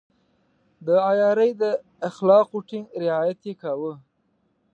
د عیارۍ د اخلاقو ټینګ رعایت يې کاوه.